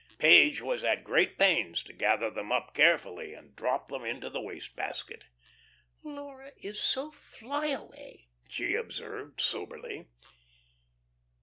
Page was at great pains to gather them up carefully and drop them into the waste basket. "Laura is so fly away," she observed, soberly.